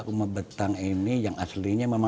umat betang ini yang aslinya memang